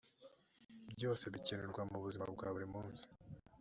byose bikenerwa mu buzima bwa buri munsi